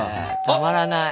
たまらない。